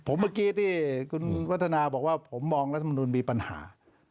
ผมเมื่อกี้ที่คุณวัฒนาบอกว่าผมมองรัฐมนุนมีปัญหา